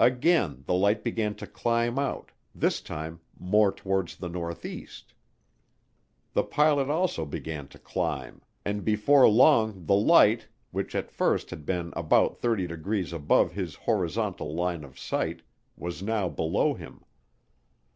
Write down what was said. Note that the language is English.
Again the light began to climb out, this time more toward the northeast. The pilot also began to climb, and before long the light, which at first had been about 30 degrees above his horizontal line of sight, was now below him.